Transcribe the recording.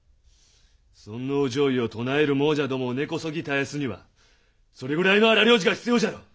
尊皇攘夷を唱える亡者どもを根こそぎ絶やすにはそれぐらいの荒療治が必要じゃろう。